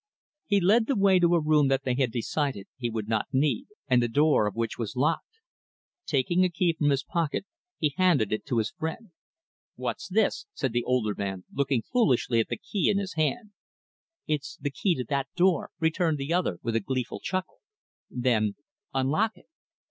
He led the way to a room that they had decided he would not need, and the door of which was locked. Taking a key from his pocket, he handed it to his friend. "What's this?" said the older man, looking foolishly at the key in his hand. "It's the key to that door," returned the other, with a gleeful chuckle. Then "Unlock it."